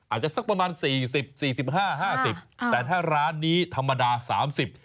สักประมาณสี่สิบสี่สิบห้าห้าสิบอ่าแต่ถ้าร้านนี้ธรรมดาสามสิบ